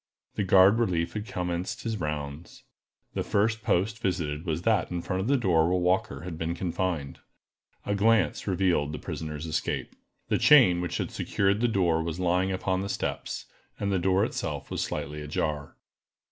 The guard relief had commenced his rounds. The first post visited was that in front of the door where Walker had been confined. A glance revealed the prisoner's escape. The chain which had secured the door was lying upon the steps, and the door itself was slightly ajar.